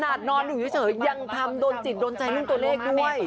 นอนอยู่เฉยยังทำโดนจิตโดนใจเรื่องตัวเลขด้วย